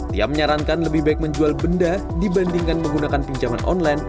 tia menyarankan lebih baik menjual benda dibandingkan menggunakan pinjaman online